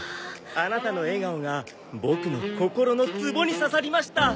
アナタの笑顔がボクの心のツボに刺さりました！